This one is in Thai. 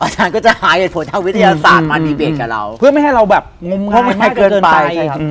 อาจารย์ก็จะหาเหตุผลทางวิทยาศาสตร์มาดีเบตกับเราเพื่อไม่ให้เราแบบงมเขามันให้เกินไป